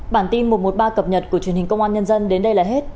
bản tin một trăm một mươi ba cập nhật của truyền hình công an nhân dân đến đây là hết